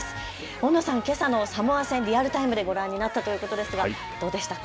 大野さん、けさのサモア戦リアルタイムでご覧になったということですがどうでしたか。